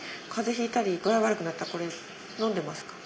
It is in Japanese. ひいたり具合悪くなったらこれのんでますか？